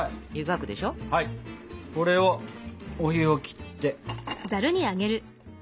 これをお湯を切って。